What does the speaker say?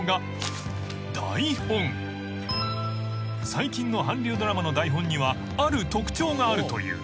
［最近の韓流ドラマの台本にはある特徴があるという］